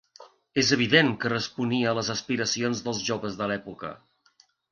És evident que responia a les aspiracions dels joves de l'època.